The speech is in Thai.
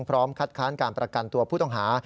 พร้อมคัดค้านการประกันตัวผู้ต้องหา